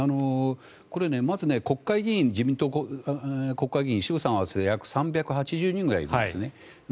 これ、まず自民党の国会議員衆参合わせて３８０人ぐらいいるんですね。